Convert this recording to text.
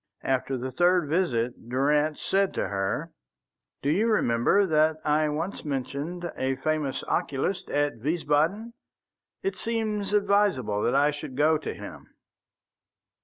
After the third visit Durrance said to her: "Do you remember that I once mentioned a famous oculist at Wiesbaden? It seems advisable that I should go to him."